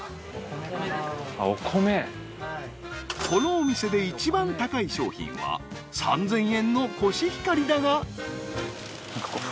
［このお店で一番高い商品は３，０００円のコシヒカリだが］